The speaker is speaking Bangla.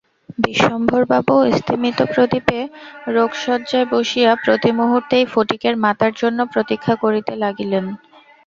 বিশ্বম্ভরবাবু স্তিমিতপ্রদীপে রোগশয্যায় বসিয়া প্রতিমুহূর্তেই ফটিকের মাতার জন্য প্রতীক্ষা করিতে লাগিলেন।